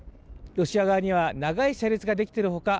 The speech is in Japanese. ロシア側には長い車列ができているほか